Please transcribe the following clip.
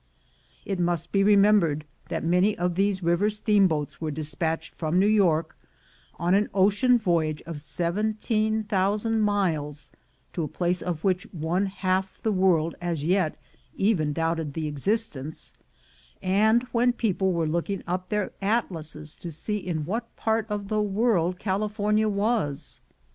It must be re membered that many of these river steamboats were despatched from New York, on an ocean voyage of seventeen thousand miles, to a place of which one half the world as yet even doubted the existence, and when people were looking up their atlases to see in what part of the world California was.